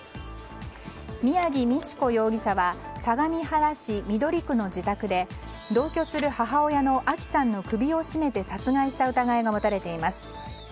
宮城道子容疑者は相模原市緑区の住宅で同居する母親のアキさんの首を絞めて殺害した疑いが持たれています。